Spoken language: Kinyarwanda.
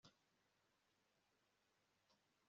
abarinzi bawe bameze nk'inzige